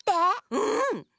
うん。